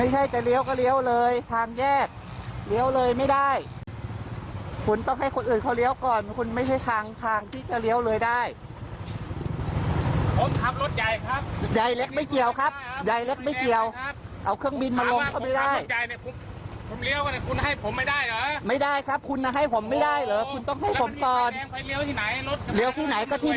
ชอบจังเลยตรงที่ว่าจะรถบัสหรือว่าจะเอาเครื่องบินมาลงก็ไม่ได้